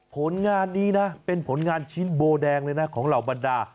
ผลงานนี้นะเป็นผลงานชิ้นโบแดงเลยนะของเหล่าบรรดา